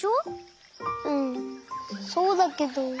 うんそうだけど。